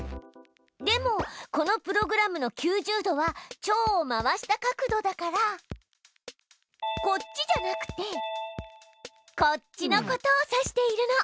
でもこのプログラムの９０度はチョウを回した角度だからこっちじゃなくてこっちのことを指しているの。